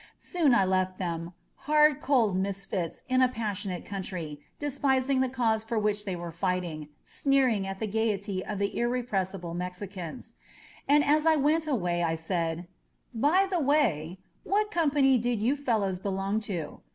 Soon I left them, hard, cold mis fits in a passionate country, despising the cause for which they were fighting, sneering at the gaiety of the irrepressible Mexicans. And as I went away I said, By the way; what company did you fellows belong to?